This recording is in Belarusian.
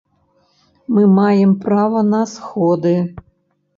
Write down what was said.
Мы маем права на сходы.